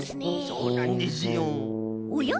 そうなんですよ。